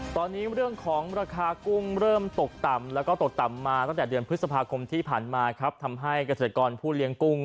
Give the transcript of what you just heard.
ตอนนี้เรื่องของราคากุ้งเริ่มตกต่ำแล้วก็ตกต่ำมาตั้งแต่เดือนพฤษภาคมที่ผ่านมาครับทำให้เกษตรกรผู้เลี้ยงกุ้ง